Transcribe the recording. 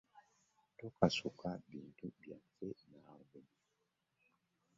Tokasuka bintu byaffe naawe.